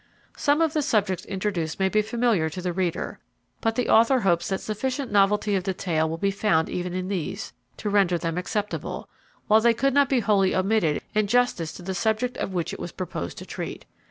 Some of the subjects introduced may be familiar to the reader; but the Author hopes that sufficient novelty of detail will be found even in these, to render them acceptable, while they could not be wholly omitted in justice to the subject of which it was proposed to treat.